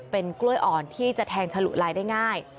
เป็นกล้วยอ่อนที่จะแทงฉลุลายได้ง่าย